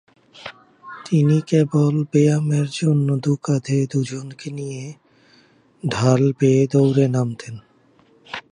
তিনি কেবল ব্যায়ামের জন্য দু’কাঁধে দু’জনকে নিয়ে ঢাল বেয়ে দৌড়ে নামতেন।